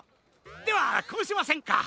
ではこうしませんか？